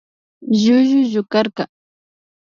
Llullu llukarka